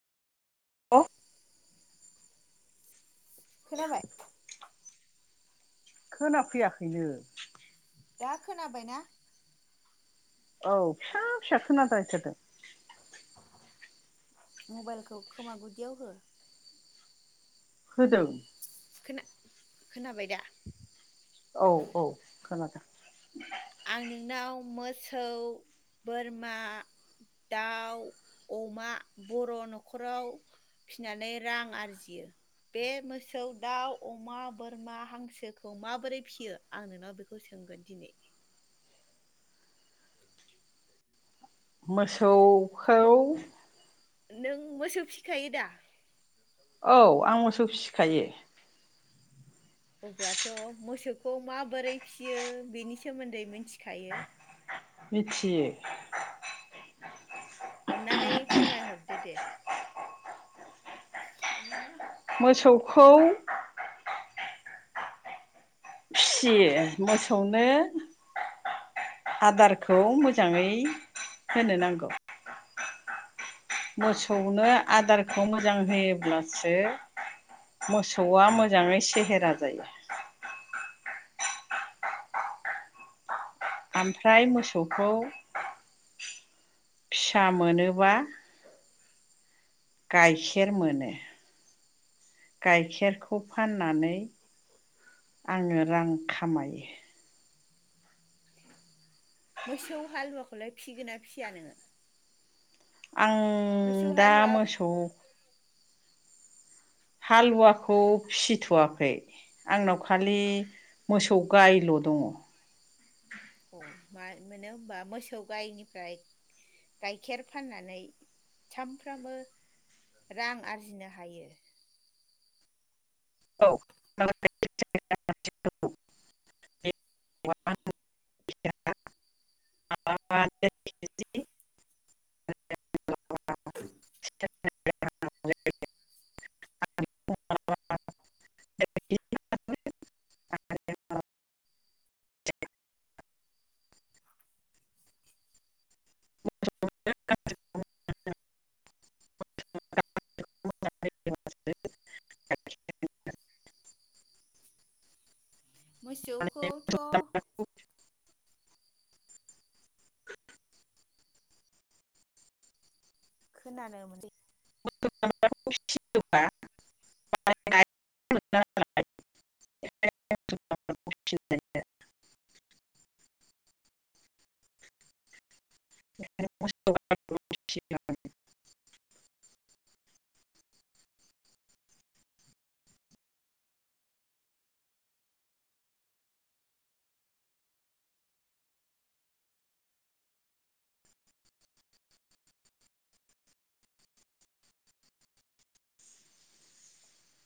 अ खोनाबाय? खोना फैयाखैनो। दा खोनाबायना? औ फिसा फिसा खोनाद्राय थारदों। मबाइलखौ खोमा गुदियाव हो। होदों। खोना खोनाबाय दा? औ औ खोनादों। आं नोंनाव मोसौ बोरमा दाउ अमा बर' न'खराव फिनानै रां आरजियो बे मोसौ दाउ अमा बोरमा हांसोखौ माबोरै फिसियो आं नोंनाव बेखौ सोंगोन दिनै। मोसौ खौ नों मोसौ फिखायो दा? औ आं मोसौ फिसिखायो। अब्लाथ' मोसौखौ माबोरै फियो बेनि सोमोन्दै मिथिखायो? मिथियो। अननानै फोरमायहरदो दे। [unintelligible] मोसौखौ फियो मोसौनो आदारखौ मोजाङै होनो नांगौ। औ मोसौनो आदारखौ मोजां होयोब्लासो मोसौआ मोजाङै सेहेरा जायो। आमफ्राय मोसौखौ फिसा मोनोब्ला गाइखेर मोनो। गाइखेरखौ फाननानै आङो रां खामायो। मोसौ हालुवाखौलाय फिसिगोन ना फिसिया नोङो? आं मोसौ दा हालुवाखौ मोसौ हालुवाखौ फिसिथ'वाखै आंनाव खालि मोसौ गायल' दङ। अ मा मोनो होनबा मोसौ गायनिफ्राय गाइखेर फाननानै सामफ्रामबो रां आरजिनो हायो। औ [unintelligible] [unintelligible] [inaudible] [unintelligible] [unintelligible] [unintelligible] मोसौखौथ' खोनानो मोनसै [unintelligible] [unintelligible]